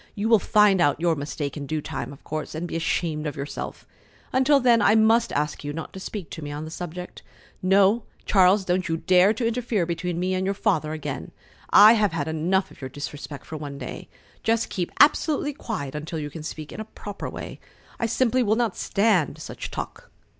You will find out your mistake in due time, of course, and be ashamed of yourself. Until then I must ask you not to speak to me on the subject. No, Charles, don't you dare to interfere between me and your Father again. I have had enough of your disrespect for one day. Just keep absolutely quiet until you can speak in a proper way. I simply will not stand such talk."